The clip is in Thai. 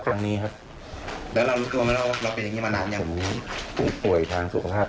จนถึงหาอร่อยเป็นใครด้วยครับ